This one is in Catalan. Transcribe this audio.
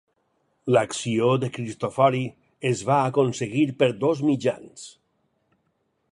A l'acció de Cristofori, es va aconseguir per dos mitjans.